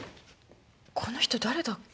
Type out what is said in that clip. この人誰だっけ？